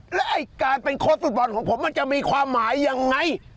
และการเป็นโค้ชศุดบอลของผมมันจะมีความหมายอย่างไร